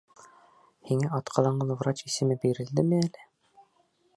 Һиңә атҡаҙанған врач исеме бирелдеме әле?